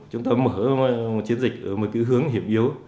chúng ta mở một chiến dịch ở một hướng hiểm yếu